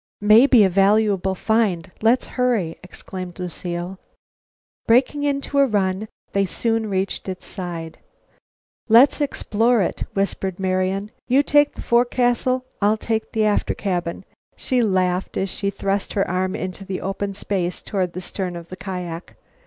"May be a valuable find. Let's hurry," exclaimed Lucile. Breaking into a run, they soon reached its side. "Let's explore it!" whispered Marian. "You take the forecastle and I'll take the after cabin," she laughed, as she thrust her arm into the open space toward the stern of the kiak.